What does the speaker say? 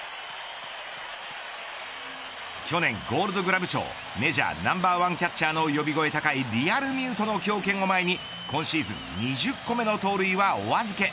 去年ゴールドグラブ賞メジャーナンバーワンキャッチャーの呼び声高いリアルミュートの強肩を前に今シーズン２０個目の盗塁はお預け。